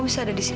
bisa di sini